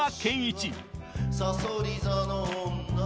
さそり座の女